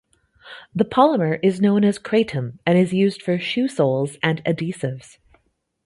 The polymer is known as Kraton and is used for shoe soles and adhesives.